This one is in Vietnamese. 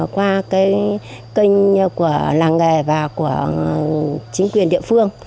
qua cái kênh của làng nghề và của chính quyền địa phương